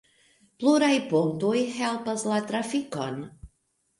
Pluraj pontoj helpas la trafikon.